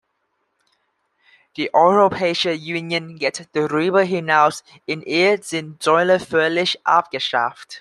Die Europäische Union geht darüber hinaus, in ihr sind Zölle völlig abgeschafft.